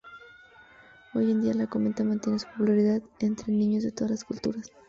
Hoy en día, la cometa mantiene su popularidad entre niños de todas las culturas.